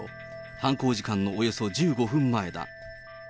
犯行時間のおよそ１５分前だ。